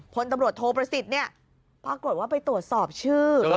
พนธ์ตำรวจโทพระสิทธิ์ปรากฏว่าไปตรวจสอบชื่อ